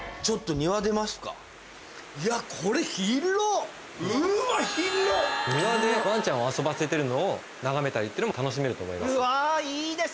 庭でワンちゃんを遊ばせてるのを眺めたりっていうのも楽しめると思います。